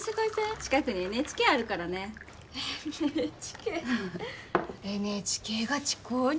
近くにＮＨＫあるからねＮＨＫＮＨＫが近うに？